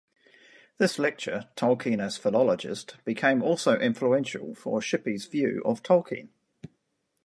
This lecture, "Tolkien as philologist" became also influential for Shippey's view of Tolkien.